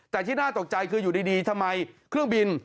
แต่ที่น่าตกใจคืออยู่ดีทำไมเครื่องบิน